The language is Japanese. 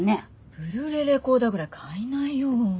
ブルーレイレコーダーぐらい買いなよ。